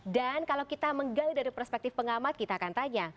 dan kalau kita menggali dari perspektif pengamat kita akan tanya